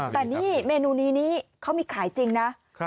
แต่นี่เมนูนี้เขามีขายจริงนะ